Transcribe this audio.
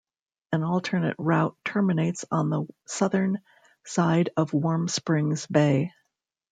An alternate route terminates on the southern side of Warm Springs Bay.